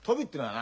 な！